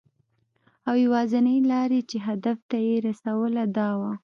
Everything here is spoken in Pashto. او یوازېنۍ لاره چې دې هدف ته یې رسوله، دا وه .